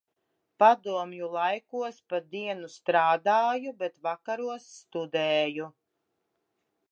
Padomju laikos pa dienu str?d?ju, bet vakaros stud?ju.